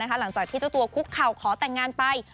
หลังจากที่เจ้าตัวคุกเข่าขอแต่งงานไป